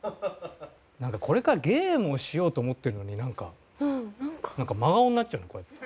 なんかこれからゲームをしようと思ってるのになんか真顔になっちゃうのこうやって。